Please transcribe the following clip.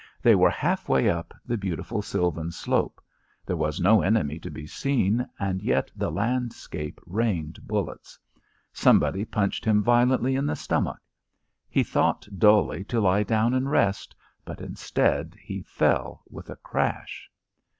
They were half way up the beautiful sylvan slope; there was no enemy to be seen, and yet the landscape rained bullets. Somebody punched him violently in the stomach. He thought dully to lie down and rest, but instead he fell with a crash.